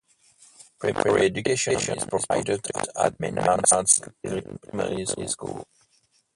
Primary education is provided at Maynards Green Primary School.